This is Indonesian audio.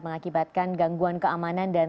mengakibatkan gangguan keamanan dan